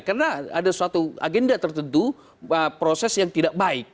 karena ada suatu agenda tertentu proses yang tidak baik